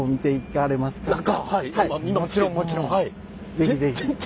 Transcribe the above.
もちろんもちろん。